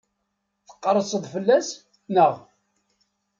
Tqerrseḍ fell-as, naɣ?